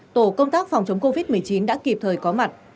tổ công tác phòng chống covid một mươi chín đã kịp thời có mặt